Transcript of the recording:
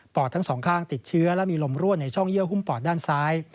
อดทั้งสองข้างติดเชื้อและมีลมรั่วในช่องเยื่อหุ้มปอดด้านซ้าย